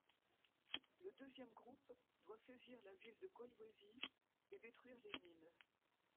Le deuxième groupe doit saisir la ville de Kolwezi et détruire les mines.